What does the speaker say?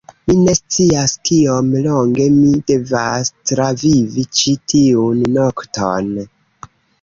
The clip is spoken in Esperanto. Mi ne scias kiom longe mi devas travivi ĉi tiun nokton.